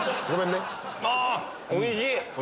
あおいしい！